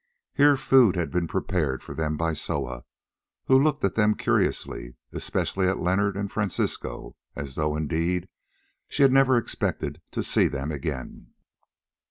Here food had been prepared for them by Soa, who looked at them curiously, especially at Leonard and Francisco, as though, indeed, she had never expected to see them again.